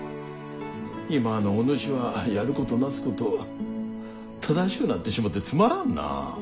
今のお主はやることなすこと正しゅうなってしもうてつまらんな。